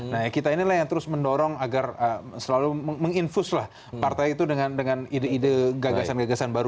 nah kita ini lah yang terus mendorong agar selalu menginfuslah partai itu dengan ide ide gagasan gagasan baru